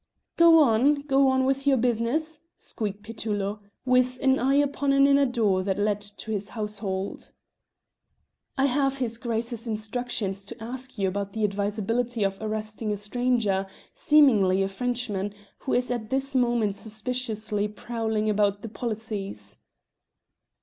"Go on, go on with your business," squeaked Petullo, with an eye upon an inner door that led to his household. "I have his Grace's instructions to ask you about the advisability of arresting a stranger, seemingly a Frenchman, who is at this moment suspiciously prowling about the policies."